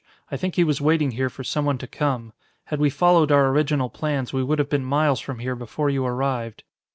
I think he was waiting here for someone to come. Had we followed our original plans, we would have been miles from here before you arrived.